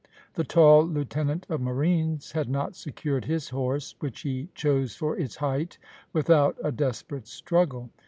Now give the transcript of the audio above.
The tall lieutenant of marines had not secured his horse, which he chose for its height, without a desperate struggle.